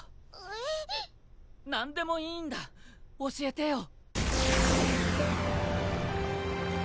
えっ？何でもいいんだ教えてよ！